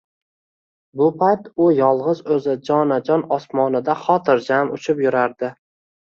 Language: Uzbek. Bu payt u yolg‘iz o‘zi jonajon osmonida xotirjam uchib yurardi.